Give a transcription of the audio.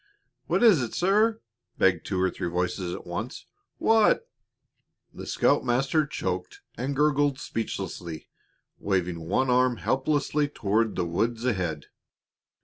"What is it, sir?" begged two or three voices at once. "What " The scoutmaster choked and gurgled speechlessly, waving one arm helplessly toward the woods ahead.